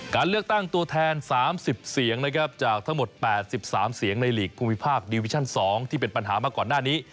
การเลือกตั้งตัวแทน๓๐เสียงนะครับจากทั้งหมด๘๓เสียงในหลีกภูมิภาคดิวิชั่น๒ที่เป็นปัญหามาก่อนหน้านี้